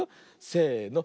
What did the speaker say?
せの。